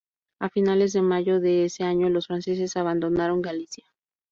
A finales de mayo de ese año los franceses abandonaron Galicia.